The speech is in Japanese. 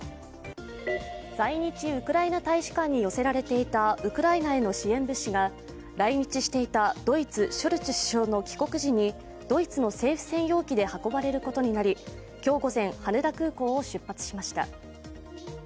在日ウクライナ大使館に寄せられていたウクライナへの支援物資が来日していたドイツショルツ首相の帰国時にドイツの政府専用機で運ばれることになり、今日午前、羽田空港を出発しました